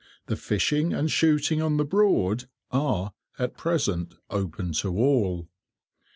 The fishing and shooting on the Broad are, at present, open to all.